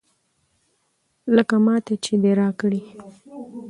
لکه ماته چې دې راکړي.